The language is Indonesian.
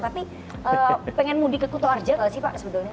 tapi pengen mudik ke kutoarjo nggak sih pak sebetulnya